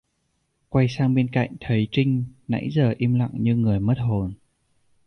Quay sang bên cạnh thấy trinh nãy giờ im lặng như người mất hồn